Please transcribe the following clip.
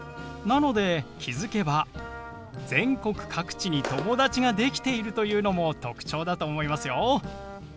なので気付けば全国各地に友達が出来ているというのも特徴だと思いますよ。